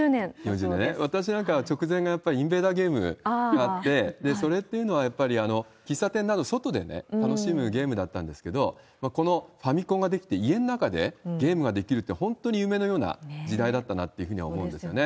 私なんかは、直前がやっぱりインベーダーゲームがあって、それっていうのは、やっぱり喫茶店など、外で楽しむゲームだったんですけど、このファミコンが出来て、家の中でゲームができるって、本当に夢のような時代だったなっていうふうに思うんですよね。